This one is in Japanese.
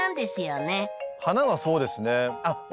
花はそうですね。